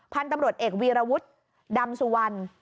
พันธุ์ตำรวจเอกวีรวุฒิดำสุวรรณ